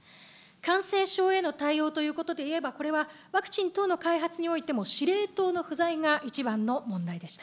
感染症への対応ということでいえば、これはワクチン等の開発においても司令塔の不在が一番の問題でした。